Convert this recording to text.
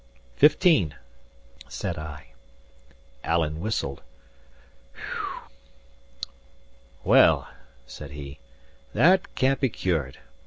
"Fifteen," said I. Alan whistled. "Well," said he, "that can't be cured.